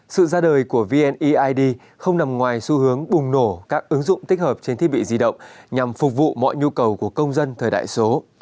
sự ra đời của vneid không nằm ngoài xu hướng bùng nổ các ứng dụng tích hợp trên thiết bị di động nhằm phục vụ mọi nhu cầu của công dân thời đại số